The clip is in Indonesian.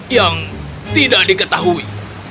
yang tidak diketahui